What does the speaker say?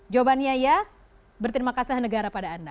jawabannya ya berterima kasih negara pada anda